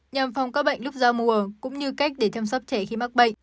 nhằm phòng các bệnh lúc giao mùa cũng như cách để chăm sóc trẻ khi mắc bệnh